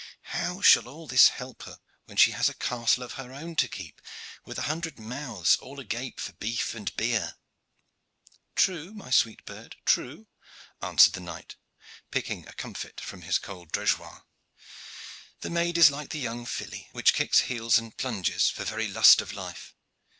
How shall all this help her when she has castle of her own to keep, with a hundred mouths all agape for beef and beer?" "True, my sweet bird, true," answered the knight, picking a comfit from his gold drageoir. "The maid is like the young filly, which kicks heels and plunges for very lust of life.